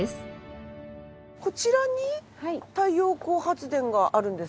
こちらに太陽光発電があるんですか？